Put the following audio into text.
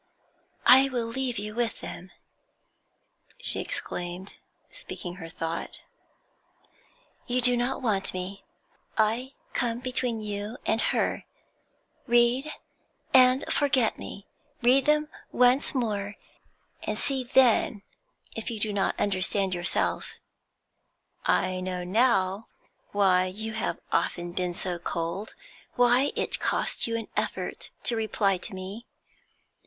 'I will leave you with them,' she exclaimed, speaking her' thought. 'You do not want me; I come between you and her. Read, and forget me; read them once more, and see then if you do not understand yourself. I know now why you have often been so cold, why it cost you an effort to reply to me.